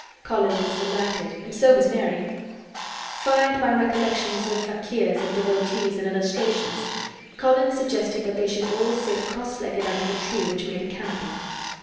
Colin was delighted and so was Mary. Fired by recollections of fakirs and devotees in illustrations Colin suggested that they should all sit cross legged under the tree which made a canopy.